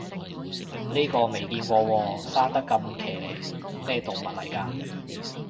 呢個未見過喎，生得咁奇離，咩動物嚟㗎